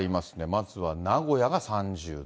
まずは名古屋が３０度。